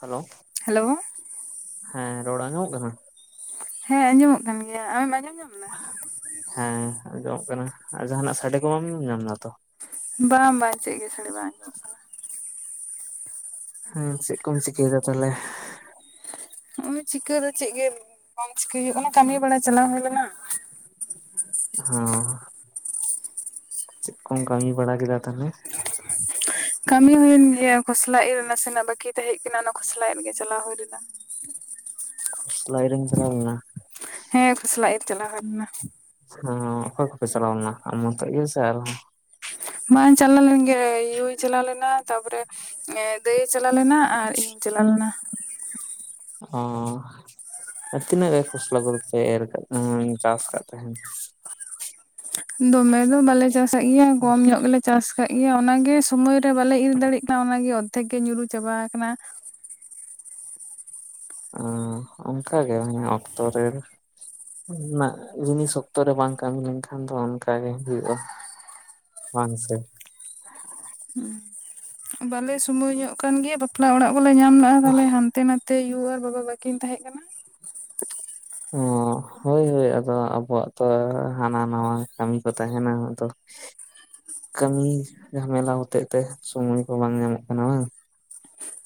Hello. Hello. ᱦᱮᱸ ᱨᱚᱲ ᱟᱸᱡᱚᱢᱚᱜ ᱠᱟᱱᱟ? ᱦᱮᱸ ᱟᱸᱡᱚᱢᱚᱜ ᱠᱟᱱ ᱜᱮᱭᱟ ᱟᱢᱮᱢ ᱟᱸᱡᱚᱢ ᱧᱟᱢ ᱫᱟ? ᱦᱮᱸ ᱟᱸᱡᱚᱢᱚᱜ ᱠᱟᱱᱟ, ᱟᱨ ᱡᱟᱦᱟᱱᱟᱜ ᱥᱟᱰᱮ ᱠᱚ ᱵᱟ ᱟᱢ ᱧᱟᱢᱫᱟ ᱛᱚ? ᱵᱟᱝ -ᱵᱟᱝ ᱪᱮᱫ ᱜᱮ ᱥᱟᱰᱮ ᱵᱟᱝ ᱟᱡᱚᱢᱚᱜ ᱠᱟᱱᱟ᱾ ᱦᱮᱸ ᱪᱮᱫ ᱠᱚᱢ ᱥᱤᱠᱟᱹᱭ ᱫᱟ ᱛᱟᱞᱮ? ᱦᱚᱜ-ᱚᱭ ᱪᱤᱠᱟᱹ ᱫᱚ ᱪᱮᱫ ᱜᱮ ᱵᱟᱝ ᱪᱤᱠᱟᱹᱭ ᱦᱩᱭᱩᱜ ᱚᱱᱟ ᱠᱟᱹᱢᱤ ᱵᱟᱲᱟ ᱪᱟᱞᱟᱣ ᱦᱩᱭ ᱞᱮᱱᱟ᱾ ᱦᱚᱸ ᱪᱮᱫ ᱠᱚᱢ ᱠᱟᱹᱢᱤ ᱵᱟᱲᱟ ᱠᱮᱫᱟ ᱛᱟᱦᱞᱮ? ᱠᱟᱹᱢᱤ ᱦᱩᱭᱮᱱ ᱜᱮᱭᱟ ᱠᱷᱚᱥᱞᱟ ᱤᱨ ᱱᱟᱥᱮ ᱱᱟᱜ ᱵᱟᱹᱠᱤ ᱛᱟᱦᱮᱸ ᱦᱮᱡ ᱠᱟᱱᱟ ᱚᱱᱟ ᱠᱷᱚᱥᱞᱟᱜ ᱤᱨ ᱜᱮ ᱪᱟᱞᱟᱣ ᱦᱩᱭ ᱞᱮᱱᱟ᱾ ᱠᱷᱚᱥᱞᱟ ᱤᱨᱮᱢ ᱪᱟᱞᱟᱣ ᱞᱮᱱᱟ ᱾ ᱦᱮᱸ ᱠᱷᱚᱥᱞᱟ ᱤᱨ ᱪᱟᱞᱟᱣ ᱦᱩᱭᱞᱮᱱᱟ᱾ ᱦᱮᱸ ᱚᱠᱚᱭ ᱠᱚᱯᱮ ᱪᱟᱞᱟᱣᱱᱟ ᱟᱢ ᱢᱚᱛᱚᱡ ᱜᱮ ᱥᱮ ᱟᱨᱦᱚ ᱾ ᱵᱟᱝ ᱪᱟᱞᱟᱣ ᱞᱮᱱ ᱜᱮ ᱭᱩᱭ ᱪᱟᱞᱟᱣ ᱞᱮᱱᱟ ᱛᱟᱯᱚᱨᱮ ᱦᱮᱸ ᱫᱟᱹᱭᱮ ᱪᱟᱞᱟᱣ ᱞᱮᱱᱟ ᱟᱨ ᱤᱧᱤᱧ ᱪᱟᱞᱟᱣ ᱞᱮᱱᱟ᱾ ᱚᱻ ᱟᱨ ᱛᱤᱱᱟᱹᱜ ᱜᱮ ᱠᱷᱚᱥᱞᱟ ᱠᱚᱯᱮ ᱮᱨ ᱠᱟᱜ ᱛᱮ ᱪᱟᱥ ᱠᱟᱫ ᱛᱟᱦᱮᱱ? ᱫᱚᱢᱮ ᱫᱚ ᱵᱟᱞᱮ ᱪᱟᱥᱟᱜ ᱜᱮᱭᱟ ᱠᱚᱢ ᱧᱚᱜ ᱜᱮᱞᱮ ᱪᱟᱥ ᱟᱠᱟᱫ ᱜᱮᱭᱟ ᱚᱱᱟᱜᱮ ᱥᱳᱚᱢᱚᱭ ᱨᱮ ᱵᱟᱞᱮ ᱤᱨ ᱫᱟᱲᱮᱭᱟᱜ ᱠᱟᱱᱟ ᱚᱱᱟᱜᱮ ᱚᱨᱫᱷᱮᱠ ᱜᱮ ᱧᱩᱨᱩ ᱪᱟᱵᱟ ᱟᱠᱟᱱᱟ᱾ ᱚᱻ ᱠᱟᱝᱜᱮ ᱚᱱᱮ ᱚᱠᱛᱚ ᱨᱮᱱ ᱡᱤᱱᱤᱥ ᱚᱠᱛᱚ ᱨᱮ ᱵᱟᱝ ᱠᱟᱹᱢᱤ ᱞᱮᱱᱠᱷᱟᱱ ᱫᱚ ᱚᱱᱠᱟᱜ ᱜᱮ ᱦᱩᱭᱩᱜᱼᱟ᱾ ᱵᱟᱝ ᱥᱮ᱾ ᱦᱮᱸ ᱵᱟᱞᱮ ᱥᱩᱢᱚᱭ ᱧᱚᱜ ᱠᱟᱱᱜᱮᱭᱟ ᱵᱟᱯᱞᱟ ᱚᱲᱟᱜ ᱠᱚᱞᱮ ᱧᱟᱢ ᱞᱮᱼᱟ ᱛᱟᱞᱦᱮ ᱦᱟᱱᱛᱮ ᱱᱟᱛᱮ ᱛᱮᱭᱩ ᱟᱨ ᱵᱟᱵᱟ ᱵᱟᱠᱤᱱ ᱛᱟᱦᱮᱸ ᱠᱟᱱᱟ᱾ ᱚ ᱦᱳᱭ ᱦᱳᱭ ᱟᱫᱚ ᱟᱵᱚᱣᱟᱜ ᱛᱚ ᱦᱟᱱᱟ ᱱᱚᱣᱟ ᱠᱟᱹᱢᱤ ᱠᱚ ᱛᱟᱦᱮᱱᱟ ᱟᱫᱚ ᱠᱟᱹᱢᱤ ᱡᱷᱟᱢᱮᱞᱟ ᱦᱚᱛᱮᱜ ᱛᱮ ᱥᱩᱢᱚᱭ ᱠᱚ ᱵᱟᱝ ᱧᱟᱢᱚᱜ ᱠᱟᱱᱟ ᱵᱟᱝ᱾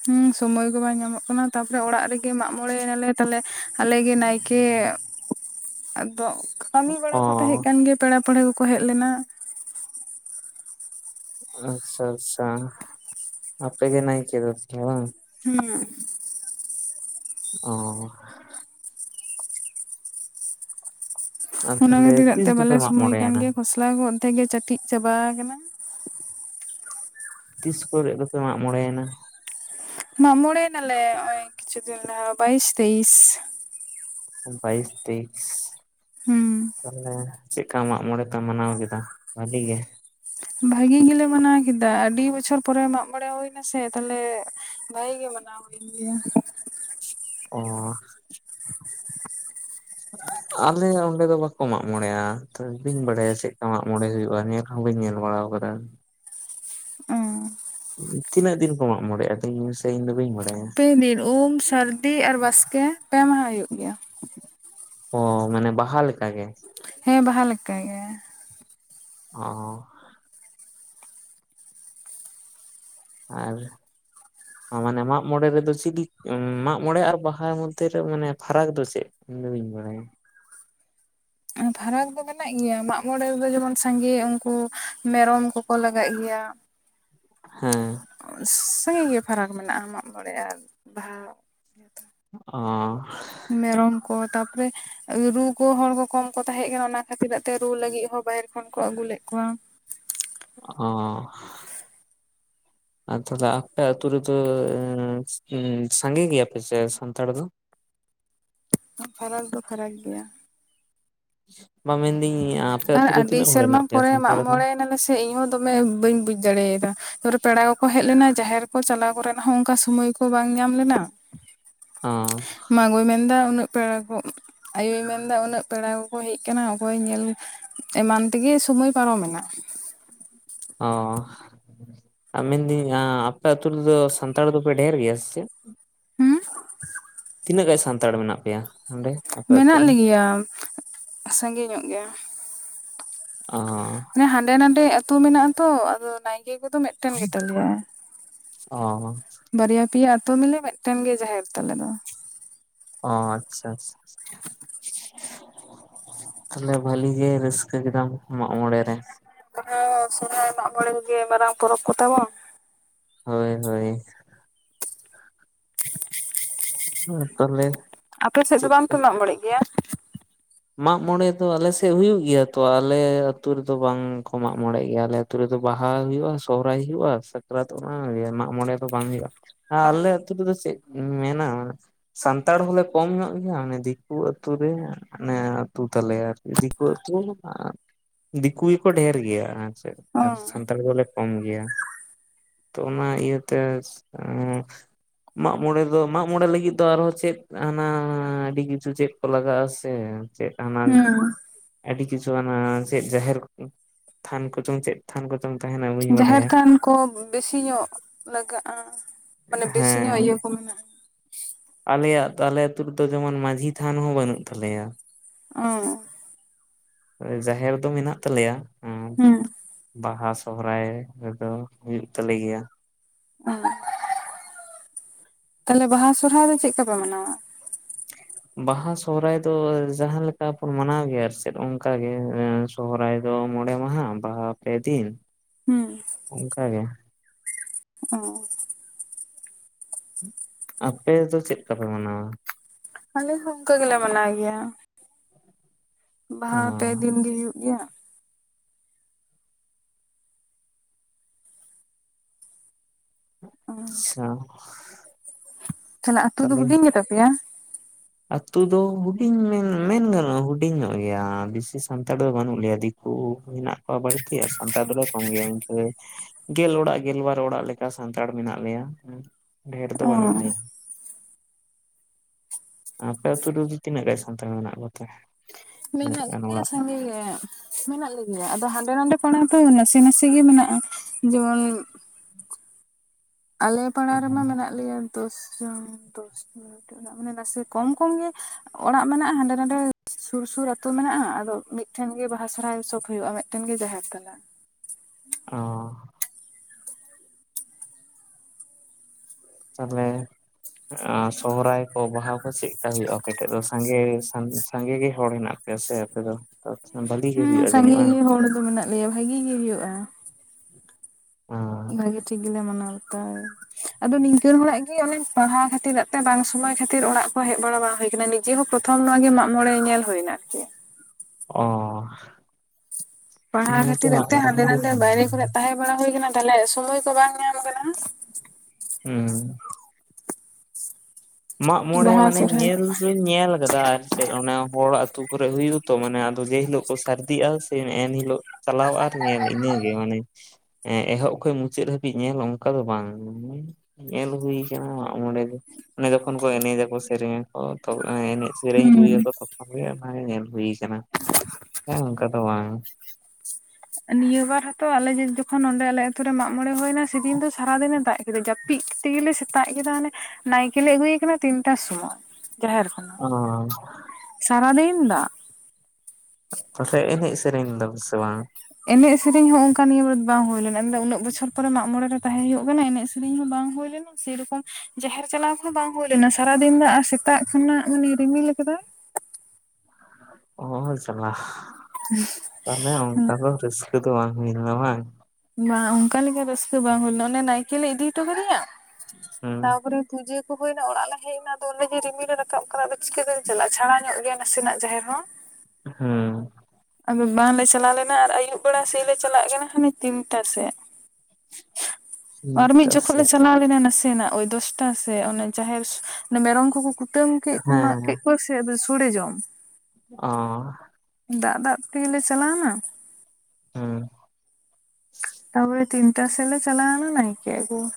ᱦᱮᱸ ᱥᱚᱢᱚᱭ ᱠᱚ ᱵᱟᱭ ᱧᱟᱢᱚᱜ ᱠᱟᱱᱟ ᱛᱟᱯᱚᱨᱮ ᱚᱲᱟᱜ ᱨᱮᱜᱮ ᱜᱮ ᱢᱟᱜ ᱢᱚᱬᱮᱭᱱᱟᱞᱮ ᱛᱟᱦᱚᱞᱮ ᱟᱞᱮ ᱜᱮ ᱱᱟᱭᱠᱮ ᱟᱫᱚ ᱠᱟᱹᱢᱤ ᱚ ᱵᱟᱲᱟ ᱠᱚ ᱛᱟᱦᱮᱸ ᱠᱟᱱ ᱜᱮ ᱯᱮᱲᱟ ᱯᱟᱹᱲᱦᱟᱹ ᱠᱚᱠᱚ ᱦᱮᱡ ᱞᱮᱱᱟ᱾ ᱟᱪᱪᱷᱟ ᱟᱪᱪᱷᱟ ᱟᱯᱮ ᱜᱮ ᱱᱟᱭᱠᱮ ᱫᱚ ᱛᱟᱦᱞᱮ ᱵᱟᱝ᱾ ᱦᱩᱸ᱾ ᱚᱻ ᱟᱨ ᱚᱱᱟ ᱛᱟᱦᱞᱮ ᱠᱷᱟᱹᱛᱤᱨᱟᱜ ᱛᱤᱥ ᱛᱮ ᱵᱟᱞᱮ ᱫᱚᱯᱮ ᱢᱟᱜ ᱥᱳᱢᱚᱭ ᱠᱟᱱ ᱢᱚᱬᱮᱭᱮᱱᱟ ᱜᱮ ᱠᱷᱚᱥᱞᱟ ᱠᱚ ᱮᱛᱮ ᱜᱮ ᱪᱟᱹᱴᱤᱡ ᱪᱟᱵᱟ ᱟᱠᱟᱱᱟ᱾ ᱛᱤᱥ ᱠᱚᱨᱮᱜ ᱫᱚᱯᱮ ᱢᱟᱜ ᱢᱚᱬᱮᱭᱮᱱᱟ᱾ ᱢᱟᱜᱢᱚᱬᱮ ᱱᱟᱞᱮ ᱱᱚᱜ ᱚᱭ ᱠᱤᱪᱷᱩ ᱫᱤᱱ ᱞᱟᱦᱟ ᱵᱟᱭᱤᱥ ᱛᱮᱭᱤᱥ᱾ ᱵᱟᱭᱤᱥ ᱛᱮᱭᱤᱥ ᱦᱩᱸ ᱛᱚᱞᱮ ᱪᱮᱫᱠᱟ ᱢᱟᱜ ᱢᱚᱬᱮ ᱯᱮ ᱢᱟᱱᱟᱣ ᱠᱮᱫᱟ, ᱵᱷᱟᱹᱞᱤ ᱜᱮ? ᱵᱷᱟᱜᱤ ᱜᱮᱞᱮ ᱢᱟᱱᱟᱣ ᱠᱮᱫᱟ ᱟᱹᱰᱤ ᱵᱚᱪᱷᱚᱨ ᱯᱚᱨᱮ ᱢᱟᱜ ᱢᱚᱲᱮ ᱦᱩᱭᱱᱟ ᱥᱮ ᱛᱟᱦᱞᱮᱼᱼ ᱵᱷᱟᱜᱤ ᱜᱮ ᱢᱟᱱᱟᱣ ᱦᱩᱭᱮᱱ ᱜᱮᱭᱟ᱾ ᱚᱻ [unintelligible] ᱟᱞᱮ ᱚᱸᱰᱮ ᱫᱚ ᱵᱟᱠᱚ ᱢᱟᱜᱽ ᱢᱚᱬᱮᱭᱟ ᱛᱚᱵᱮ ᱵᱟᱹᱧ ᱵᱟᱲᱟᱭᱟ ᱪᱮᱫ ᱞᱮᱠᱟ ᱢᱟᱜᱽ ᱢᱚᱬᱮ ᱦᱩᱭᱩᱜᱼᱟ ᱱᱤᱭᱟᱹ ᱠᱚ, ᱚ ᱵᱟᱹᱧ ᱧᱮᱞ ᱵᱟᱲᱟ ᱟᱠᱟᱫᱟ᱾ ᱚᱸᱻ ᱛᱤᱱᱟᱹᱜ ᱫᱤᱱ ᱠᱚ ᱢᱟᱜ ᱢᱚᱬᱮᱜᱼᱟ ᱤᱧ ᱥᱮ ᱤᱧ ᱫᱚ ᱵᱟᱹᱧ ᱵᱟᱲᱟᱭᱟ ᱯᱮ ᱫᱤᱱ ᱩᱢ ᱥᱟᱹᱨᱫᱤ ᱟᱨ ᱵᱟᱥᱠᱮ ᱯᱮ ᱢᱟᱦᱟ ᱦᱩᱭᱩᱜ ᱜᱮᱭᱟ ᱚ ᱢᱟᱱᱮ ᱵᱟᱦᱟ ᱞᱮᱠᱟ ᱜᱮ ᱦᱮᱸ ᱵᱟᱦᱟ ᱞᱮᱠᱟ ᱜᱮ ᱚ ᱟᱨ ᱢᱟᱱᱮ ᱢᱟᱜ ᱢᱚᱬᱮ ᱨᱮᱫᱚ ᱪᱤᱞᱤ ᱢᱟᱜᱽ ᱢᱚᱬᱮ ᱟᱨ ᱵᱟᱦᱟ ᱢᱚᱫᱽᱫᱷᱮ ᱨᱮ ᱢᱟᱱᱮ ᱯᱷᱟᱨᱟᱠ ᱫᱚ ᱪᱮᱫ ᱤᱧ ᱫᱚ ᱵᱟᱹᱧ ᱵᱟᱲᱟᱭᱟ ᱯᱷᱟᱨᱟᱠ ᱫᱚ ᱢᱮᱱᱟᱜ ᱜᱮᱭᱟ ᱢᱟᱜᱽ ᱢᱚᱬᱮ ᱨᱮᱫᱚ ᱡᱮᱢᱚᱱ ᱥᱟᱸᱜᱮ ᱩᱱᱠᱩ ᱢᱮᱨᱚᱢ ᱠᱚᱠᱚ ᱞᱟᱜᱟᱜ ᱜᱮᱭᱟ ᱦᱮᱸ ᱥᱟᱺᱜᱤᱧ ᱜᱮ ᱯᱷᱟᱨᱟᱠ ᱢᱮᱱᱟᱜᱼᱟ ᱢᱟᱜᱽ ᱢᱚᱬᱮ ᱟᱨ ᱵᱟᱦᱟ ᱚ ᱢᱮᱨᱚᱢ ᱠᱚ ᱛᱟᱯᱚᱨᱮ ᱨᱩ ᱠᱚ ᱦᱚᱲ ᱠᱚ ᱠᱚᱢ ᱠᱚ ᱛᱟᱦᱮᱸ ᱠᱟᱱᱟ ᱚᱱᱟ ᱠᱷᱟᱹᱛᱤᱨ ᱚᱜ ᱛᱮ ᱨᱩ ᱞᱟᱹᱜᱤᱫ ᱦᱚᱸ ᱵᱟᱦᱮᱨᱮ ᱠᱷᱚᱱ ᱠᱚ ᱟᱹᱜᱩ ᱞᱮᱫ ᱠᱚᱣᱟ ᱚᱻ ᱟᱨ ᱛᱟᱦᱚᱞᱮ ᱟᱯᱮ ᱟᱹᱛᱩ ᱨᱮᱫᱚ ᱥᱟᱸᱜᱮ ᱜᱮᱭᱟᱯᱮ ᱥᱮ ᱥᱟᱱᱛᱟᱲ ᱫᱚ ᱯᱷᱟᱨᱟᱠ ᱫᱚ ᱯᱷᱟᱨᱟᱠ ᱜᱮᱭᱟ ᱵᱟ ᱢᱮᱱᱫᱤᱧ ᱟᱯᱮ ᱟᱨ ᱟᱛᱩ ᱨᱮ ᱛᱤᱱᱟᱹᱜ ᱦᱚᱲ ᱦᱮᱱᱟᱜ ᱯᱮᱭᱟ ᱥᱟᱱᱛᱟᱲ ᱫᱚ? ᱤᱧ ᱦᱚ ᱫᱚᱢᱮ ᱵᱟᱹᱧ ᱵᱩᱡᱽ ᱫᱟᱲᱮᱭᱟᱫᱟ᱾ ᱯᱚᱨᱮ ᱯᱮᱲᱟ ᱠᱚᱠᱚ ᱦᱮᱡ ᱞᱮᱱᱟ ᱡᱟᱦᱮᱨ ᱠᱚ ᱪᱟᱞᱟᱣ ᱠᱚᱨᱮᱱᱟᱜ ᱦᱚᱸ ᱚᱱᱠᱟ ᱥᱚᱢᱚᱭ ᱠᱚ ᱵᱟᱝ ᱧᱟᱢ ᱞᱮᱱᱟ᱾ ᱚ ᱢᱟᱜᱳᱭ ᱢᱮᱱᱫᱟ ᱩᱱᱟᱹᱜ ᱯᱮᱲᱟ ᱠᱚ, ᱟᱭᱳ ᱢᱮᱱ ᱮᱫᱟ ᱩᱱᱟᱹᱜ ᱯᱮᱲᱟ ᱠᱚᱠᱚ ᱦᱮᱡ ᱟᱠᱟᱱᱟ᱾ ᱚᱠᱚᱭ ᱧᱮᱞ ᱮᱢᱟᱱ ᱛᱮᱜᱮ ᱥᱢᱚᱭ ᱯᱟᱨᱚᱢᱮᱱᱟ᱾ ᱚ ᱟ ᱢᱮᱱᱫᱤᱧ ᱟᱯᱮ ᱟᱹᱛᱩ ᱨᱮᱫᱚ ᱥᱟᱱᱛᱟᱲ ᱫᱚᱯᱮ ᱰᱷᱮᱨ ᱜᱮᱭᱟ ᱥᱮ ᱪᱮᱫ? ᱦᱩᱸ ᱛᱤᱱᱟᱹᱜ ᱜᱟᱡ ᱥᱟᱱᱛᱟᱲ ᱢᱮᱱᱟᱜ ᱯᱮᱭᱟ ᱚᱸᱰᱮ? ᱟᱯᱮ ᱟᱹᱛᱩ ᱢᱮᱱᱟᱜ ᱨᱮ? ᱞᱮᱜᱮᱭᱟ ᱥᱟᱸᱜᱮ ᱧᱚᱜ ᱜᱮ ᱚ ᱦᱮᱸ ᱦᱟᱸᱰᱮ ᱱᱟᱰᱮ ᱟᱹᱛᱩ ᱢᱮᱱᱟᱜ-ᱟ ᱛᱚ ᱟᱫᱚ ᱱᱟᱭᱠᱮ ᱠᱚᱫᱚ ᱢᱮᱫ ᱴᱮᱱ ᱜᱮᱛᱟ ᱞᱮᱟᱭ᱾ ᱚ ᱵᱟᱨᱭᱟ ᱯᱮᱭᱟ ᱟᱛᱳ ᱢᱤᱞᱮ ᱢᱤᱫᱴᱮᱱ ᱜᱮ ᱡᱟᱦᱮᱨ ᱛᱟᱞᱮ ᱫᱚ᱾ ᱚ ᱟᱪᱪᱷᱟ ᱟᱪᱪᱷᱟ ᱛᱟᱦᱞᱮ ᱵᱷᱟᱹᱞᱤ ᱜᱮ ᱨᱟᱹᱥᱠᱟᱹ ᱠᱮᱫᱟᱢ ᱢᱟᱜ ᱢᱚᱬᱮ ᱨᱮ ᱦᱮᱸ ᱥᱚᱨᱦᱟᱭ ᱢᱟᱜ ᱢᱚᱬᱮ ᱠᱚᱜᱮ ᱢᱟᱨᱟᱝ ᱯᱚᱨ ᱠᱚ ᱛᱟᱵᱚᱱ᱾ ᱦᱳᱭ ᱦᱳᱭ [inaudible] ᱛᱟᱦᱚᱞᱮ ᱟᱯᱮ ᱥᱮᱫ ᱫᱚ ᱪᱮᱫ ᱵᱟᱝᱯᱮ ᱢᱟᱜ ᱢᱚᱬᱮ ᱜᱮᱭᱟ? ᱢᱟᱜ ᱢᱚᱬᱮ ᱫᱚ ᱟᱞᱮᱥᱮᱫ ᱦᱩᱭᱩᱜ ᱜᱮᱭᱟ ᱛᱚ ᱟᱞᱮ ᱟᱹᱛᱩ ᱨᱮᱫᱚ ᱵᱟᱝᱠᱚ ᱢᱟᱜ ᱢᱚᱬᱮ ᱜᱮᱭᱟ ᱟᱞᱮ ᱟᱛᱩ ᱨᱮᱫᱚ ᱵᱟᱦᱟ ᱦᱩᱭᱩᱜᱼᱟ ᱥᱚᱦᱚᱨᱟᱭ ᱦᱩᱭᱩᱜᱼᱟ ᱥᱟᱠᱨᱟᱛ ᱚᱱᱟ ᱜᱮ ᱢᱟᱜ ᱢᱚᱬᱮ ᱫᱚ ᱵᱟᱝ ᱦᱩᱭᱩᱜᱼᱟ᱾ ᱟᱞᱮ ᱟᱛᱩ ᱚ ᱨᱮᱫᱚ ᱪᱮᱫ ᱢᱮᱱᱟ ᱥᱟᱱᱛᱟᱲ ᱦᱚᱞᱮ ᱠᱚᱢ ᱧᱚᱜ ᱜᱮᱭᱟ ᱚᱱᱮ ᱫᱤᱠᱩ ᱟᱛᱩᱨ ᱨᱮ ᱟᱱᱮ ᱟᱹᱛᱩ ᱛᱟᱞᱮ ᱟᱨᱠᱤ ᱫᱤᱠᱩ ᱟᱛᱩ ᱫᱤᱠᱩ ᱜᱮᱠᱚ ᱰᱷᱹᱮᱨ ᱜᱮᱭᱟ ᱟᱨ ᱪᱮᱫ ᱟᱨ ᱥᱟᱱᱛᱟᱲ ᱫᱚᱞᱮ ᱠᱚᱢ ᱜᱮᱭᱟ ᱛᱚ ᱚᱱᱟ ᱤᱭᱟᱹᱛᱮ ᱢᱟᱜ ᱢᱬᱮ ᱫᱚ ᱢᱟᱜ ᱢᱚᱬᱮ ᱞᱟᱹᱜᱤᱫ ᱫᱚ ᱟᱨᱦᱚᱸ ᱪᱮᱫ ᱦᱟᱱᱟ ᱟᱹᱰᱤ ᱠᱤᱪᱷᱩ ᱪᱮᱫ ᱠᱚ ᱞᱟᱜᱟᱜᱼᱟ ᱥᱮ ᱪᱮᱫ ᱦᱟᱱᱟ ᱦᱩᱸ ᱟᱹᱰᱤ ᱠᱤᱪᱷᱩ ᱟᱱᱟ ᱪᱮᱫ ᱡᱟᱦᱮᱨ ᱛᱷᱟᱱ ᱠᱚᱪᱚᱝ ᱪᱮᱫ ᱛᱷᱟᱱ ᱠᱚ ᱪᱚᱝ ᱛᱟᱦᱮᱱᱟ ᱵᱟᱹᱧ ᱡᱟᱦᱮᱨ ᱵᱟᱰᱟᱭᱟ ᱛᱷᱟᱱ ᱠᱚ ᱵᱮᱥᱤ ᱧᱚᱜ ᱞᱟᱜᱟᱜᱼᱟ, ᱢᱟᱱᱮ ᱵᱮᱥᱤ ᱦᱮᱸ ᱧᱚᱜ ᱤᱭᱟᱹ ᱠᱚ ᱢᱮᱱᱟᱜᱼᱟ ᱾ ᱟᱞᱮᱭᱟᱜ ᱟᱞᱮ ᱟᱹᱛᱩ ᱨᱮᱫᱚ ᱡᱮᱢᱚᱱ ᱢᱟᱹᱡᱷᱤ ᱛᱷᱟᱱ ᱦᱚᱸ ᱵᱟᱹᱱᱩᱜ ᱛᱟᱞᱮᱭᱟ ᱾ ᱚᱸ ᱾ ᱡᱟᱦᱮᱨ ᱫᱚ ᱢᱮᱱᱟᱜ ᱛᱟᱞᱮᱭᱟ, ᱟᱨ ᱦᱩᱸ ᱵᱟᱦᱟ ᱥᱚᱦᱨᱟᱭ ᱨᱮᱫᱚ ᱦᱩᱭᱩᱜ ᱛᱟᱞᱮ ᱜᱮᱭᱟ ᱾ ᱚᱸ, ᱛᱟᱦᱞᱮ ᱵᱟᱦᱟ ᱥᱚᱨᱦᱟᱭ ᱫᱚ ᱪᱮᱫᱠᱟᱯᱮ ᱢᱟᱱᱟᱣᱟ? ᱵᱟᱦᱟ ᱥᱚᱦᱨᱟᱭ ᱫᱚ ᱡᱟᱦᱟᱸ‌ ᱞᱮᱠᱟ ᱵᱚᱱ ᱢᱟᱱᱟᱣ ᱜᱮᱭᱟ ᱟᱨ ᱪᱮᱫ ᱚᱱᱠᱟᱜᱮ ᱾ ᱥᱚᱦᱚᱨᱟᱭ ᱫᱚ ᱢᱚᱬᱮ ᱢᱟᱦᱟ, ᱵᱟᱦᱟ ᱯᱮ ᱫᱤᱱ ᱾ ᱦᱩᱸ ᱾ ᱚᱝᱠᱟ ᱜᱮ ᱾ ᱚᱸ ᱾ ᱟᱯᱮ ᱫᱚ ᱪᱮᱫᱠᱟ ᱯᱮ ᱢᱟᱱᱟᱣᱟ? ᱟᱞᱮ ᱦᱚᱸ ᱚᱝᱠᱟ ᱜᱮᱞᱮ ᱢᱟᱱᱟᱣ ᱜᱮᱭᱟ ᱾ ᱵᱟᱦᱟ ᱚ ᱯᱮ ᱫᱤᱱᱜᱤ ᱦᱩᱭᱩᱜ ᱜᱮᱭᱟ ᱾ ᱟᱪᱪᱷᱟ ᱾ ᱛᱟᱦᱚᱞᱮ ᱟᱛᱩ ᱫᱚ ᱦᱩᱰᱤᱧ ᱜᱮᱛᱟ ᱯᱮᱭᱟ? ᱟᱛᱩ ᱫᱚ ᱦᱩᱰᱤᱧ ᱢᱮᱱ ᱢᱮᱱ ᱜᱟᱱᱚᱜᱼᱟ ᱦᱩᱰᱤᱧ ᱧᱚᱜ ᱜᱮᱭᱟ, ᱵᱮᱥᱤ ᱥᱟᱱᱛᱟᱲ ᱫᱚ ᱵᱟᱹᱱᱩᱜ ᱞᱮᱭᱟ ᱫᱤ ᱠᱩ ᱦᱮᱱᱟᱜ ᱠᱚᱣᱟ ᱵᱟᱹᱲᱛᱤ ᱟᱨ ᱥᱟᱱᱛᱟᱲ ᱫᱚᱞᱮ ᱠᱚᱢ ᱜᱮᱭᱟ, ᱤᱱᱠᱟᱹ ᱜᱮᱞ ᱚᱲᱟᱜ ᱜᱮᱞᱵᱟᱨ ᱚᱲᱟᱜ ᱞᱮᱠᱟ ᱥᱟᱱᱛᱟᱲ ᱢᱮᱱᱟᱜ ᱞᱮᱭᱟ, ᱰᱷᱮᱨ ᱫᱚ ᱚ ᱵᱟᱹᱱᱩᱜ ᱞᱮᱭᱟ ᱾ ᱟᱯᱮ ᱟᱹᱛᱩ ᱨᱮᱫᱚ ᱛᱤᱱᱟᱹᱜ ᱜᱟᱭ ᱥᱟᱱᱛᱟᱲ ᱢᱮᱱᱟᱜ ᱠᱚᱛᱮ? ᱛᱤᱱᱟᱹᱜ ᱢᱮᱱᱟᱜ ᱠᱚ ᱜᱟᱱ ᱜᱮᱭᱟ ᱚᱲᱟᱜ ᱥᱟᱸᱜᱮ ᱜᱮ ᱾ ᱢᱮᱱᱟᱜ ᱞᱮᱜᱮᱭᱟ, ᱟᱫᱚ ᱦᱟᱸᱰᱮ ᱱᱟᱸᱰᱮ ᱯᱟᱲᱟ ᱛᱚ ᱱᱟᱥᱮ ᱱᱟᱥᱮ ᱜᱮ ᱢᱮᱱᱟᱜᱼᱟ ᱾ ᱡᱮᱢᱚᱱ ᱟᱞᱮ ᱯᱟᱲᱟ ᱨᱮᱢᱟ ᱢᱮᱱᱟᱜ ᱞᱮᱭᱟ ᱫᱚᱥ ᱡᱚᱱ ᱫᱚᱥ [inaudible] ᱢᱟᱱᱮ ᱱᱟᱥᱮ ᱠᱚᱢ ᱠᱚᱢ ᱜᱮ ᱚᱲᱟᱜ ᱢᱮᱱᱟᱜᱼᱟ ᱦᱟᱸᱰᱮ ᱱᱟᱸᱰᱮ ᱥᱩᱨ ᱥᱩᱨ ᱟᱹᱛᱩ ᱢᱮᱱᱟᱜᱼᱟ, ᱟᱫᱚ ᱢᱤᱫᱴᱷᱮᱱ ᱜᱮ ᱵᱟᱦᱟ ᱥᱚᱨᱚᱦᱟᱭ ᱥᱚᱵ ᱦᱳᱭᱳᱜᱼᱟ ᱢᱤᱫᱴᱮᱱ ᱜᱮ ᱡᱟᱦᱮᱨ ᱛᱟᱞᱟ ᱾ ᱚᱸ ᱾ ᱛᱟᱦᱚᱞᱮ ᱥᱚᱦᱨᱟᱭ ᱠᱚ ᱵᱟᱦᱟ ᱠᱚ ᱪᱮᱫᱠᱟ ᱦᱩᱭᱩᱜᱼᱟ ᱟᱯᱮᱴᱷᱮᱡ ᱫᱚ ᱥᱟᱸᱜᱮ ᱥᱟ-ᱥᱟᱸᱜᱮ ᱜᱮ ᱦᱚᱲ ᱦᱮᱱᱟᱜ ᱯᱮᱭᱟ ᱥᱮ ᱟᱯᱮ ᱫᱚ? [inaudible] ᱵᱷᱟᱞᱤ ᱜᱮ ᱦᱩᱸ ᱦᱩᱭᱩᱜᱼᱟ ᱡᱟᱹᱱᱤᱡ ᱥᱟᱸᱜᱮ ᱵᱟᱝ? ᱜᱮ ᱦᱚᱲ ᱫᱚ ᱢᱮᱱᱟᱜ ᱞᱮᱭᱟ ᱵᱷᱟᱜᱤ ᱜᱮ ᱦᱩᱭᱩᱜᱼᱟ ᱾ ᱵᱷᱟᱜᱮ ᱴᱷᱤᱠ ᱜᱮᱞᱮ ᱢᱟᱱᱟᱣ ᱵᱟᱛᱟᱣᱟ ᱟᱫᱚ ᱱᱤᱝᱠᱟᱹᱱ ᱦᱚᱲᱟᱜ ᱜᱮ ᱚᱱᱮ ᱯᱟᱲᱦᱟᱣ ᱠᱷᱟᱹᱛᱤᱨᱟᱜ ᱛᱮ ᱵᱟᱝ ᱥᱚᱢᱚᱭ ᱠᱷᱟᱹᱛᱤᱨ ᱚᱲᱟᱜ ᱠᱚ ᱦᱮᱡ ᱵᱟᱲᱟ ᱵᱟᱝ ᱦᱩᱭ ᱠᱟᱱᱟ ᱤᱱᱟᱹ ᱪᱮᱜ ᱦᱚᱸ ᱯᱨᱚᱛᱷᱚᱢ ᱱᱚᱣᱟ ᱜᱮ ᱢᱟᱜ ᱢᱚᱬᱮ ᱧᱮᱞ ᱦᱩᱭᱱᱟ ᱟᱨᱠᱤ ᱾ ᱚᱸᱻ ᱯᱟᱲᱦᱟ ᱠᱷᱟᱹᱛᱤᱨᱟᱜ ᱛᱮ ᱦᱟᱸᱰᱮ ᱱᱟᱸᱰᱮ ᱵᱟᱭᱨᱮ ᱠᱚᱨᱮᱜ ᱛᱟᱦᱮᱸ ᱵᱟᱲᱟ ᱦᱩ ᱠᱟᱱᱟ, ᱛᱟᱦᱚᱞᱮ ᱥᱚᱢᱚᱭ ᱠᱚ ᱵᱟᱝ ᱧᱟᱢ ᱠᱟᱱᱟ ᱾ ᱦᱮᱸ ᱾ ᱢᱟᱜᱢᱚᱬᱮ ᱵᱟᱦᱟ ᱢᱟᱱᱮ ᱥᱚᱨᱦᱟᱭ ᱠᱚ ᱧᱮᱞ ᱫᱩᱧ ᱧᱮᱞ ᱟᱠᱟᱫᱟ ᱟᱨ ᱪᱮᱫ ᱚᱱᱟ ᱦᱚᱲᱟᱜ ᱟᱹᱛᱩ ᱠᱚᱨᱮ ᱦᱩᱭᱩᱜᱼᱟ ᱛᱚ ᱢᱟᱱᱮ ᱟᱫᱚ ᱡᱮ ᱦᱤᱞᱳᱜ ᱠᱚ ᱥᱟᱨᱫᱤᱜᱼᱟ ᱥᱮ ᱮᱱᱦᱤᱞᱳᱜ ᱪᱟᱞᱟᱣ ᱟᱨ ᱧᱮᱞ ᱤᱱᱟᱹᱜᱮ ᱢᱟᱱᱮ ᱮᱸ ᱮᱦᱚᱵ ᱠᱷᱚᱡ ᱢᱩᱪᱟᱹᱫ ᱦᱟᱹᱵᱤᱡ ᱧᱮᱞ ᱚᱝᱠᱟ ᱫᱚ ᱵᱟᱝ, ᱢᱟᱱᱮ ᱧᱮᱞ ᱦᱩᱭ ᱠᱟᱱᱟ ᱢᱟᱜ-ᱢᱚᱬᱮᱸ ᱫᱚ ᱚᱸᱰᱮ ᱚᱱᱮ ᱡᱚᱠᱷᱚᱱ ᱠᱚ ᱮᱱᱮᱡ ᱟᱠᱚ ᱥᱮᱨᱮᱧ ᱚ ᱮᱱᱮᱡ ᱥᱮᱨᱮᱧ ᱦᱩᱸ ᱨᱩᱭᱟᱠᱚ ᱛᱚᱠᱷᱚᱱ ᱜᱮ ᱚᱱᱟ ᱧᱮᱞ ᱦᱩᱭ ᱟᱠᱟᱱᱟ ᱾ ᱦᱮᱸ ᱚᱱᱠᱟ ᱫᱚ ᱵᱟᱝ ᱾ ᱱᱤᱭᱟᱹ ᱵᱟᱨ ᱦᱚᱛᱚ ᱟᱞᱮ ᱡᱚᱠᱷᱚᱱ ᱱᱚᱰᱮ ᱟᱞᱮ ᱟᱛᱳ ᱨᱮ ᱢᱟᱜ ᱢᱚᱬᱮ ᱦᱩᱭᱱᱟ ᱥᱮᱫᱤᱱ ᱫᱚ ᱥᱟᱨᱟ ᱫᱤᱱᱮ ᱫᱟᱜ ᱠᱮᱫ ᱡᱟᱹᱯᱤᱫ ᱠᱟᱛᱮ ᱜᱮᱞᱮ ᱥᱮᱛᱟᱜ ᱠᱮᱫᱟ ᱟᱱᱮ ᱱᱟᱭᱠᱮ ᱞᱮ ᱟᱹᱜᱩᱭ ᱮ ᱠᱟᱱᱟ ᱛᱤᱱᱴᱟ ᱥᱚᱢᱚᱭ ᱡᱟᱦᱮᱨ ᱚᱻ ᱥᱟᱨᱟ ᱫᱤᱱ ᱫᱟᱜ ᱛᱟᱦᱚᱞᱮ ᱮᱱᱮᱡ ᱥᱮᱨᱮᱧ ᱞᱮᱫᱟ ᱯᱮ ᱥᱮ ᱵᱟᱝ? ᱮᱱᱮᱡ ᱥᱮᱨᱮᱧ ᱦᱚᱸ ᱚᱱᱠᱟ ᱱᱤᱭᱟᱹ ᱵᱟᱨ ᱵᱟᱝ ᱦᱩᱭ ᱞᱮᱱᱟ ᱢᱮᱱᱫᱟ ᱩᱱᱟᱹᱜ ᱵᱚᱪᱷᱚᱨ ᱯᱚᱨᱮ ᱢᱟᱜ ᱢᱚᱬᱮ ᱨᱮ ᱛᱟᱦᱮᱸ ᱦᱩᱭᱩᱜ ᱠᱟᱱᱟ ᱮᱱᱮᱡ ᱥᱮᱨᱮᱧ ᱦᱚᱸ ᱵᱟᱝ ᱦᱩᱭ ᱞᱮᱱᱟ ᱾ ᱥᱮᱨᱚᱠᱚᱢ ᱡᱟᱦᱮᱨ ᱪᱟᱞᱟᱣ ᱠᱚᱦᱚᱸ ᱵᱟᱝ ᱦᱩᱭ ᱞᱮᱱᱟ ᱥᱟᱨᱟᱫᱤᱱ ᱫᱚ ᱟᱨ ᱥᱮᱛᱟᱜ ᱠᱷᱚᱱᱟᱜ ᱢᱟᱱᱮ ᱨᱤᱢᱤᱞ ᱠᱟᱫᱟᱭ ᱾ ᱚ ᱡᱟᱞᱟ ᱛᱟᱦᱞᱮ ᱚᱱᱠᱟ ᱫᱚ ᱨᱟᱹᱥᱠᱟᱹ ᱫᱚ ᱵᱟᱝ ᱦᱩᱭᱞᱮᱱᱟ ᱵᱟᱝ ᱾ ᱵᱟᱝ ᱚᱱᱠᱟ ᱞᱮᱠᱟ ᱨᱟᱹᱥᱠᱟᱹ ᱵᱟᱝ ᱦᱩᱭ ᱞᱮᱱᱟ ᱚᱱᱮ ᱱᱟᱭᱠᱮ ᱞᱮ ᱤᱫᱤ ᱦᱚᱴᱚ ᱠᱟᱫᱮᱧᱟ ᱦᱩᱸ ᱛᱟᱨᱯᱚᱨᱮ ᱯᱩᱡᱟᱹ ᱦᱩᱭᱱᱟ ᱚᱲᱟᱜ ᱞᱮ ᱦᱮᱡ ᱮᱱᱟ ᱟᱫᱚ ᱚᱱᱰᱮ ᱡᱮ ᱨᱤᱢᱤᱞ ᱞᱮ ᱨᱟᱠᱟᱵ ᱠᱟᱫᱟ ᱟᱫᱚ ᱪᱤᱠᱟᱹᱛᱮᱢ ᱪᱟᱞᱟᱜᱼᱟ ᱪᱷᱟᱲᱟ ᱧᱚᱜ ᱜᱮᱭᱟ ᱱᱟᱥᱮᱱᱟᱜ ᱡᱟᱦᱮᱨ ᱦᱚᱸ ᱾ ᱦᱩᱸ ᱟᱫᱚ ᱵᱟᱝᱞᱮ ᱪᱟᱞᱟᱣ ᱞᱮᱱᱟ ᱟᱨ ᱟᱹᱭᱩᱵ ᱵᱮᱲᱟ ᱥᱮᱫ ᱞᱮ ᱪᱟᱞᱟᱜ ᱠᱟᱱᱟ ᱦᱟᱱᱮ ᱛᱤᱱᱴᱟ ᱥᱮᱫ ᱾ ᱟᱨ ᱢᱤᱫ ᱪᱮᱫᱟᱜ ᱡᱚᱠᱷᱚᱱ ᱥᱮ ᱞᱮ ᱪᱟᱞᱟᱣ ᱞᱮ ᱱᱟ ᱱᱟᱥᱮᱱᱟᱜ ᱳᱭ ᱫᱚᱥᱴᱟ ᱥᱮ ᱚᱱᱮ ᱡᱟᱦᱮᱨ ᱢᱮᱨᱚᱢ ᱠᱚᱠᱚ ᱠᱩᱴᱟᱹᱢ ᱠᱮᱫ ᱢᱟᱜ ᱦᱮᱸ ᱠᱮᱫ ᱠᱚᱣᱟ ᱥᱮ ᱥᱩᱲᱮ ᱡᱚᱢ, ᱚᱻ ᱫᱟᱜ ᱫᱟᱜ ᱛᱮᱜᱮᱞᱮ ᱪᱟᱞᱟᱣᱱᱟ [unintelligible] ᱛᱟᱯᱚᱨᱮ ᱛᱤᱱᱴᱟ ᱥᱮᱫᱞᱮ ᱪᱟᱞᱟᱣᱱᱟ ᱱᱟᱭᱠᱮ ᱟᱜᱩ ᱾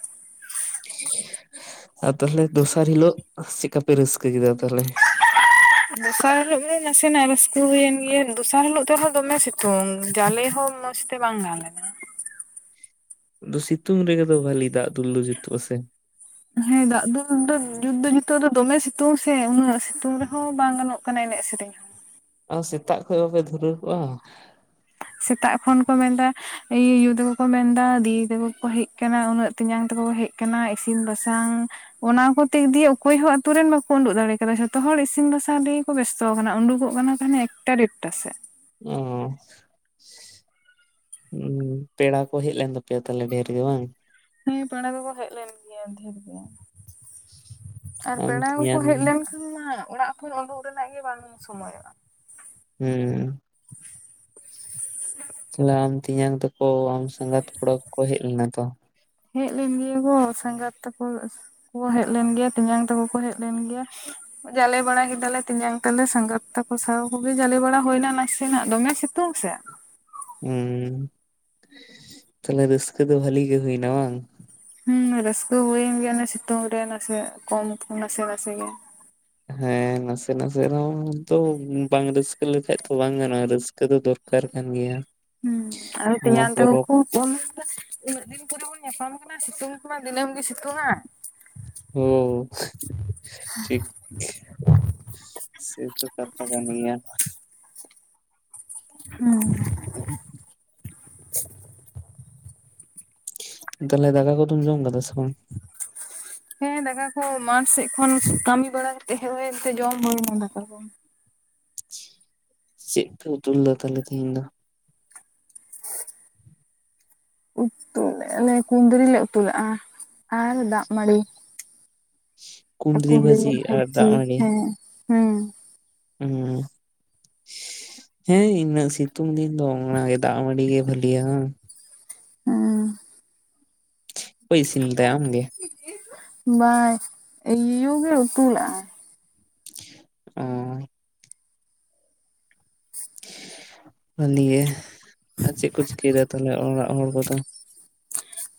ᱟᱨ ᱛᱟᱦᱚᱞᱮ ᱫᱚᱥᱟᱨ ᱦᱤᱞᱳᱜ ᱪᱮᱠᱟ ᱯᱮ ᱨᱟᱹᱥᱠᱟᱹ ᱠᱮᱫᱟ ᱛᱟᱦᱚᱞᱮ? [unintelligible] ᱫᱚᱥᱟᱨ ᱦᱤᱞᱳᱜ ᱫᱚ ᱱᱟᱥᱮᱱᱟᱜ ᱨᱟᱹᱥᱠᱟᱹ ᱦᱩᱭᱮᱱ ᱜᱮᱭᱟ ᱫᱚᱥᱟᱨ ᱦᱤᱞᱚᱜ ᱛᱮᱦᱚᱸ ᱫᱚᱢᱮ ᱥᱤᱛᱩᱝ ᱡᱟᱞᱮ ᱦᱚᱸ ᱢᱚᱸᱡᱽ ᱛᱮ ᱵᱟᱝ ᱜᱟᱱ ᱞᱮᱱᱟ ᱾ ᱥᱤᱛᱩᱝ ᱨᱮᱜᱮ ᱫᱚ ᱵᱷᱟᱞᱤ ᱫᱟᱜ ᱫᱩᱞᱩ ᱫᱚ ᱡᱩᱛᱩᱜ ᱟ ᱥᱮ ᱾ ᱦᱮᱸ ᱫᱟᱜ ᱫᱩᱞ ᱫᱚ ᱡᱩᱛ ᱫᱚ ᱡᱩᱛ ᱫᱚ ᱫᱚᱢᱮ ᱥᱤᱛᱩᱝ ᱥᱮ ᱩᱱᱟᱹᱜ ᱥᱤᱛᱩᱝ ᱨᱮᱦᱚᱸ ᱵᱟᱝ ᱜᱟᱱᱚᱜ ᱠᱟᱱᱟ ᱮᱱᱮᱡ ᱥᱮᱨᱮᱧ ᱦᱚᱸ ᱾ ᱟᱨ ᱥᱮᱛᱟᱜ ᱠᱷᱚᱡ ᱵᱟᱵᱮ ᱫᱷᱩᱨᱟᱹᱣ ᱠᱚᱜᱼᱟ ᱾ ᱥᱮᱛᱟᱜ ᱠᱷᱚᱱ ᱠᱚ ᱢᱮᱱᱫᱟ ᱤᱧ ᱟᱭᱩ ᱛᱟᱠᱚ ᱠᱚ ᱢᱮᱱᱫᱟ ᱫᱤᱫᱤ ᱛᱟᱠᱚ ᱠᱚ ᱦᱮᱡ ᱟᱠᱟᱱᱟ ᱩᱱᱟᱹᱜ ᱛᱮᱧᱟᱝ ᱛᱟᱠᱚ ᱠᱚ ᱦᱮᱡ ᱠᱟᱱᱟ ᱤᱥᱤᱱ ᱵᱟᱥᱟᱝ ᱚᱱᱟ ᱠᱚ ᱛᱮᱠ ᱫᱤᱭᱮ ᱚᱠᱚᱭᱦᱚ ᱟᱛᱩᱨᱮᱱ ᱵᱟᱠᱚ ᱩᱰᱳᱩᱜ ᱫᱟᱲᱮ ᱠᱟᱫᱟ ᱡᱷᱚᱛᱚᱦ ᱦᱚᱲ ᱤᱥᱤᱱ ᱵᱟᱥᱟᱝ ᱨᱮ ᱠᱚ ᱵᱮᱥᱛᱚ ᱟᱠᱟᱱᱟ ᱩᱰᱩᱠᱚᱜ ᱠᱟᱱᱟ ᱠᱚ ᱦᱟᱱᱮ ᱮᱠᱴᱟ ᱰᱮᱲᱴᱟ ᱥᱮᱫ, ᱚᱻ ᱦᱩᱸ ᱯᱮᱲᱟ ᱠᱚ ᱦᱮᱡ ᱞᱮᱱ ᱛᱟᱯᱮᱭᱟ ᱛᱟᱦᱚᱞᱮ ᱰᱷᱮᱨ ᱜᱮ ᱵᱟᱝ? ᱦᱮᱸ ᱯᱮᱲᱟ ᱠᱚᱠᱚ ᱦᱮᱡ ᱞᱮᱱ ᱜᱮᱭᱟ ᱰᱷᱮᱨ ᱜᱮ ᱟᱨ ᱟᱢ ᱯᱮᱲᱟ ᱠᱚᱠᱚ ᱛᱮᱧᱟᱝ ᱦᱮᱡ ᱞᱮᱱᱠᱷᱟᱱ ᱢᱟ ᱚᱲᱟᱜ ᱠᱷᱚᱱ ᱩᱰᱩᱠ ᱨᱮᱱᱟᱜ ᱜᱮ ᱵᱟᱝ ᱥᱚᱢᱚᱭᱚᱜᱼᱟ ᱾ ᱦᱩᱸ ᱛᱟᱞᱮ ᱟᱢ ᱛᱮᱭᱟᱝ ᱛᱟᱠᱚ ᱥᱟᱸᱜᱟᱛ ᱠᱚᱲᱟ ᱠᱚᱠᱚ ᱦᱮᱡ ᱞᱮᱱᱟ ᱛᱚ, ᱦᱮᱡ ᱞᱮᱱ ᱜᱮᱭᱟ ᱠᱚ ᱥᱟᱸᱜᱟᱛ ᱛᱟᱠᱚ᱾ ᱠᱚ ᱦᱮᱡ ᱞᱮᱱ ᱜᱮᱭᱟ ᱛᱮᱧᱟᱝ ᱛᱟᱠᱚ ᱠᱚ ᱦᱮᱡ ᱞᱮᱱ ᱜᱮᱭᱟ ᱾ ᱡᱟᱞᱮ ᱵᱟᱲᱟ ᱠᱮᱫᱟᱞᱮ ᱛᱮᱧᱟᱝ ᱛᱟᱞᱮ ᱥᱟᱸᱜᱟᱛ ᱛᱟᱠᱚ ᱥᱟᱶ ᱠᱚᱜᱮ ᱡᱟᱞᱮ ᱵᱟᱲᱟ ᱦᱩᱭᱱᱟ ᱱᱟᱥᱮ ᱱᱟᱜ ᱫᱚᱢᱮ ᱥᱤᱛᱩᱝ ᱥᱮ ᱾ ᱦᱩᱸ ᱛᱟᱦᱞᱮ ᱨᱟᱹᱥᱠᱟᱹ ᱫᱚ ᱵᱷᱟᱞᱤ ᱜᱮ ᱦᱩᱭᱱᱟ ᱵᱟᱝ? ᱦᱩᱸ ᱨᱟᱹᱥᱠᱟᱹ ᱦᱩᱭᱮᱱ ᱜᱮᱭᱟ ᱚᱱᱮ ᱥᱤᱛᱩᱝ ᱨᱮ ᱱᱟᱥᱮ ᱠᱚᱢ ᱠᱚ ᱱᱟᱥᱮ ᱱᱟᱥᱮ ᱜᱮ, ᱦᱮᱸ ᱱᱟᱥᱮ ᱱᱟᱥᱮ ᱨᱮᱦᱚᱸ ᱛᱚ ᱵᱟᱝ ᱨᱟᱹᱥᱠᱟᱹ ᱞᱮᱠᱷᱟᱡ ᱫᱚ ᱵᱟᱝ ᱜᱟᱱᱚᱜᱼᱟ ᱨᱟᱹᱥᱠᱟᱹ ᱨᱟᱥᱠᱟᱹ ᱫᱚ ᱫᱚᱨᱠᱟᱨ ᱠᱟᱱ ᱜᱮᱭᱟ᱾ ᱦᱩᱸ ᱟᱨᱦᱚᱸ ᱱᱚᱣᱟ ᱛᱮᱭᱟᱝ ᱛᱟᱠᱚ ᱯᱚᱨᱚᱵᱽ ᱠᱚ ᱩᱱᱟᱹᱜ ᱫᱤᱱ ᱠᱚᱨᱮ ᱵᱚᱱ ᱧᱟᱯᱟᱢ ᱠᱟᱱᱟ ᱥᱤᱛᱩᱝ ᱠᱚᱢᱟ ᱫᱤᱱᱟᱹᱢ ᱜᱮ ᱥᱤᱛᱩᱝᱼᱟ᱾ ᱦᱩᱸᱻ ᱴᱷᱤᱠ [inaudible] ᱥᱮᱛᱚ ᱠᱟᱛᱷᱟ ᱠᱟᱱᱜᱤᱭᱟ ᱦᱩᱸ ᱛᱟᱦᱚᱞᱮ ᱫᱟᱜᱠᱟ ᱠᱚᱫᱚᱢ ᱡᱚᱢ ᱠᱟᱫᱟ ᱥᱮ ᱵᱟᱝ? ᱦᱮᱸ ᱫᱟᱠᱟ ᱠᱚ ᱢᱟᱴᱷ ᱥᱮᱫ ᱠᱷᱚᱱ ᱠᱟᱹᱢᱤ ᱵᱟᱲᱟ ᱠᱟᱛᱮ ᱦᱮᱡ ᱦᱳᱭᱮᱱᱛᱮ ᱡᱚᱢ ᱦᱩᱭᱱᱟ ᱫᱟᱠᱟ ᱠᱚ᱾ ᱪᱮᱫ ᱯᱮ ᱩᱛᱩ ᱞᱮᱫᱟ ᱛᱟᱦᱟᱞᱮ ᱛᱮᱦᱮᱧ ᱫᱚ? ᱩᱛᱩ ᱚᱱᱮ [unintelligible] ᱠᱩᱸᱫᱽᱨᱤ ᱞᱮ ᱩᱛᱩ ᱞᱮᱜᱼᱟ ᱟᱨ ᱫᱟᱜ ᱢᱟᱺᱰᱤ। ᱠᱩᱸᱫᱽᱨᱤ ᱵᱷᱟᱹᱡᱤ ᱟᱨ ᱵᱷᱟᱡᱤ, ᱫᱟᱜ ᱦᱮᱸ ᱦᱮᱸ। ᱦᱩᱸᱻ [inaudible] ᱦᱮᱸ ᱤᱱᱟᱹᱜ ᱥᱤᱛᱩᱝ ᱫᱤᱱ ᱫᱚ ᱚᱱᱟ ᱜᱮ ᱫᱟᱜ ᱢᱟᱺᱰᱤ ᱜᱮ ᱵᱷᱟᱞᱤᱭᱟ ᱵᱟᱝ? ᱦᱩᱸᱻ ᱚᱠᱚᱭ ᱤᱥᱤᱱ ᱞᱮᱫᱟᱭ ᱟᱢ ᱜᱮ? ᱵᱟᱝ ᱤᱧ ᱭᱩ ᱜᱮ ᱩᱛᱩ ᱞᱮᱜᱼᱟᱭ। ᱚᱻ ᱵᱷᱟᱞᱤ ᱜᱮ, ᱟᱨ ᱪᱮᱫ ᱠᱚ ᱪᱤᱠᱟᱹᱭᱫᱟ ᱛᱟᱞᱦᱮ ᱚᱲᱟᱜ ᱦᱚᱲ ᱠᱚᱫᱚ?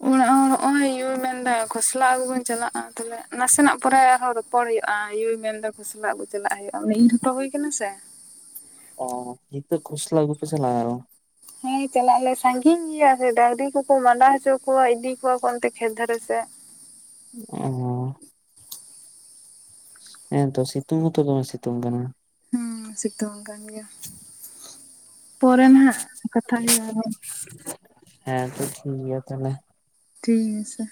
ᱚᱲᱟᱜ ᱦᱚᱲ ᱦᱚᱸᱜᱼᱚᱭ ᱭᱩ ᱢᱮᱱᱫᱟ ᱠᱷᱚᱥᱞᱟ ᱟᱹᱜᱩ ᱵᱚᱱ ᱪᱟᱞᱟᱜᱼᱟ। ᱛᱟᱦᱚᱞᱮ ᱱᱟᱥᱮᱱᱟᱜ ᱯᱚᱨᱮ ᱟᱨᱦᱚᱸ ᱼᱼ ᱨᱚᱯᱚᱲ ᱦᱩᱭᱩᱜᱼᱟ ᱭᱩᱭ ᱢᱮᱱᱫᱟ ᱠᱷᱚᱥᱞᱟ ᱟᱹᱜᱩ ᱪᱟᱞᱟᱜ ᱦᱩᱭᱩᱜᱼᱟ। ᱚᱱᱮ ᱤᱨ ᱦᱚᱴᱚ ᱦᱳᱭ ᱠᱟᱱᱟ ᱥᱮ। ᱚ ᱦᱤᱛᱚᱜ ᱠᱷᱚᱥᱞᱟ ᱟᱜᱩ ᱯᱮ ᱪᱟᱞᱟᱜᱼᱟ ᱟᱨᱚ? ᱦᱮᱸ ᱪᱟᱞᱟᱜ ᱟᱞᱮ ᱥᱟᱺᱜᱤᱧ ᱜᱮᱭᱟ ᱥᱮ ᱰᱟᱝᱨᱤ ᱠᱚᱠᱚ ᱢᱟᱰᱟ ᱦᱚᱪᱚ ᱠᱚᱣᱟ ᱤᱫᱤ ᱠᱚᱣᱟ ᱠᱚ ᱚᱱᱛᱮ ᱠᱷᱮᱛ ᱫᱷᱟᱨᱮ ᱥᱮᱫ। ᱚ [unintelligible] ᱦᱮᱸᱛᱚ ᱥᱤᱛᱩᱝ ᱦᱚᱸᱛᱚ ᱫᱚᱢᱮ ᱥᱤᱛᱩᱝ ᱠᱟᱱᱟ। ᱦᱮᱸ ᱥᱤᱛᱩᱝ ᱠᱟᱱ ᱜᱮᱭᱟ, ᱯᱚᱨᱮ ᱱᱟᱦᱟᱜ ᱠᱟᱛᱷᱟ ᱦᱩᱭᱩᱜᱼᱟ ᱦᱳᱭ। ᱦᱮᱸ ᱛᱚ ᱴᱷᱤᱠ ᱜᱮᱭᱟ ᱛᱟᱦᱟᱞᱮ। ᱴᱷᱤᱠ ᱜᱮ ᱥᱮ,